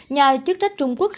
nhà chức trách trung quốc